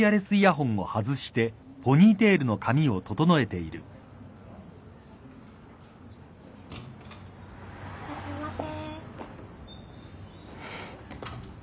いらっしゃいませ。